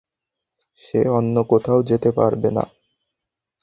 সে অন্য কোথাও যেতে পারবে না।